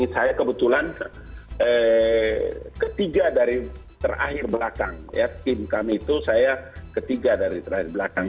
saya kebetulan ketiga dari terakhir belakang ya tim kami itu saya ketiga dari terakhir belakang